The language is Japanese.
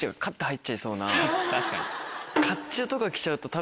確かに。